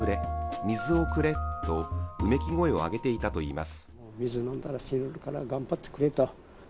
顔はやけどで腫れ、水をくれ、水をくれとうめき声を上げていたといいます。